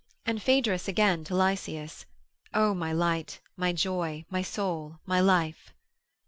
And Phaedrus again to Lycias, O my light, my joy, my soul, my life.